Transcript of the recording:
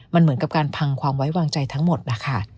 มันเหมือนกับการพังความไว้วางใจทั้งหมดนะคะ